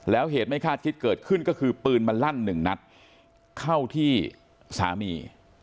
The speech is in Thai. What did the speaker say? แล้วเหตุไม่คาดคิดเกิดขึ้นก็คือปืนมันลั่นหนึ่งนัดเข้าที่สามี